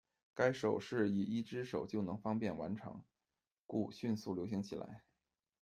该手势以一只手就能方便完成，故迅速流行起来。